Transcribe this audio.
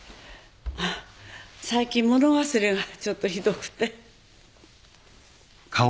最近物忘れがちょっとひどくて。